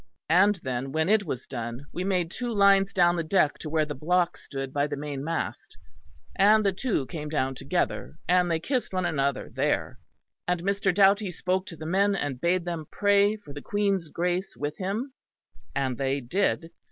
And then when it was done, we made two lines down the deck to where the block stood by the main mast; and the two came down together; and they kissed one another there. And Mr. Doughty spoke to the men, and bade them pray for the Queen's Grace with him; and they did.